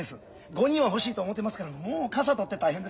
５人は欲しいと思てますからもうかさ取って大変ですわ。